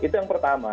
itu yang pertama